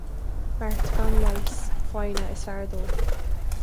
Beart gan leigheas, foighne is fearr dó.